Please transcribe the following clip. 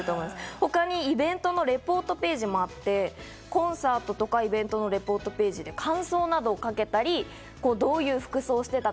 他にイベントのレポートページもあって、コンサートとかイベントのレポートページで感想などを書けたりどういう服装をしていたか。